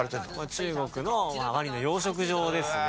中国のワニの養殖場ですね。